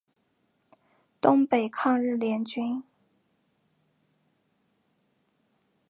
东北抗日联军。